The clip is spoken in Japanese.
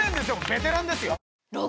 ベテランですよ！